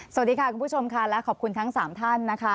สวัสดีค่ะคุณผู้ชมค่ะและขอบคุณทั้ง๓ท่านนะคะ